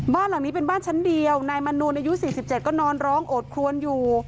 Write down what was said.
บ้านหลังนี้เป็นบ้านชั้นเดียวนายมณูนอายุสี่สิบเจ็ดก็นอนร้องอดคลวนอยู่